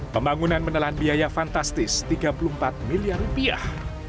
pembangunan menelan biaya fantastis tiga puluh empat miliar rupiah